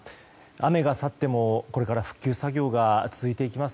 雨が去ってもこれから復旧作業が続いていきます。